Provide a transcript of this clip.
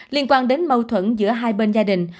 liên quan đến mâu thuẫn giữa hai bên gia đình